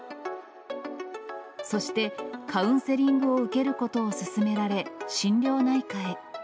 そして、カウンセリングを受けることを勧められ、心療内科へ。